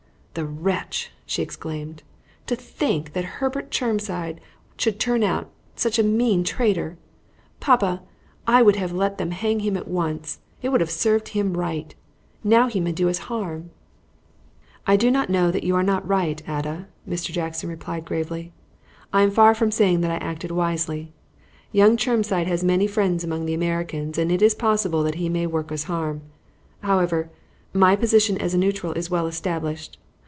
"The wretch!" she exclaimed. "To think that Herbert Chermside should turn out such a mean traitor! Papa, I would have let them hang him at once. It would have served him right. Now he may do us all harm." "I do not know that you are not right, Ada," Mr. Jackson replied gravely. "I am far from saying that I acted wisely. Young Chermside has many friends among the Americans, and it is possible that he may work us harm. However, my position as a neutral is well established.